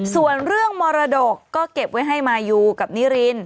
ส่วนเรื่องมรดกก็เก็บไว้ให้มายูกับนิริน